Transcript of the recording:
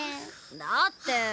だって。